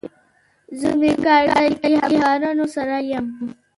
زه مې کار ځای کې همکارانو سره یم.